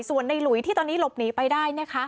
ส่วนในหลุยที่ตอนนี้หลบหนีไปได้นะคะ